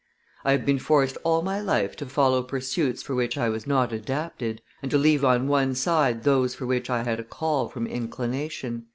I have been forced all my life to follow pursuits for which I was not adapted, and to leave on one side those for which I had a call from inclination."